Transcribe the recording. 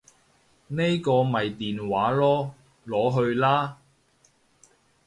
呢個咪電話囉，攞去啦